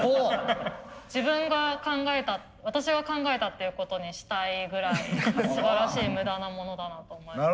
自分が考えた私が考えたっていうことにしたいぐらいすばらしい無駄なモノだなと思って。